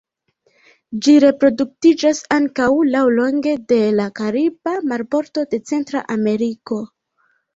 Ĝi reproduktiĝas ankaŭ laŭlonge de la kariba marbordo de Centra Ameriko.